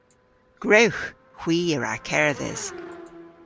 Gwrewgh! Hwi a wra kerdhes.